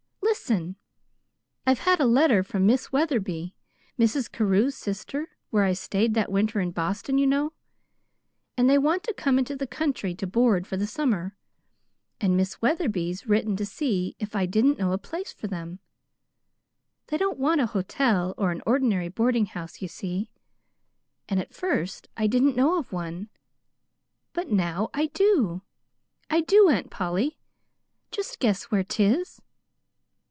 Listen! I've had a letter from Miss Wetherby, Mrs. Carew's sister where I stayed that winter in Boston, you know and they want to come into the country to board for the summer, and Miss Wetherby's written to see if I didn't know a place for them. They don't want a hotel or an ordinary boarding house, you see. And at first I didn't know of one; but now I do. I do, Aunt Polly! Just guess where 'tis."